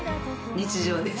日常です。